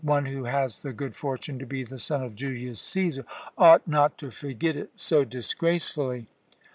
One who has the good fortune to be the son of Julius Cæsar ought not to forget it so disgracefully.